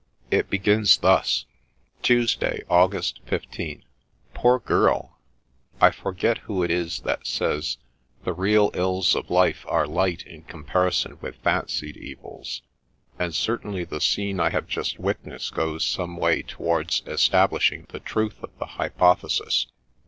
It begins thus :—' Tuesday, August 15. — Poor girl !— I forget who it is that says, " The real ills of life are light in comparison with fancied evils ;" and certainly the scene I have just witnessed goes some way towards establishing the truth of the hypothesis.